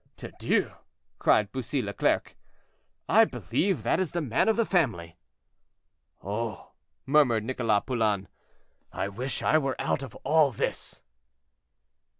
"Tudieu!" cried Bussy Leclerc; "I believe that is the man of the family." "Oh!" murmured Nicholas Poulain, "I wish I were out of all this."